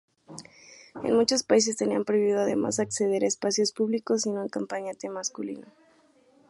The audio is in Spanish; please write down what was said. En muchos países, tenían prohibido además acceder a espacios públicos sin un acompañante masculino.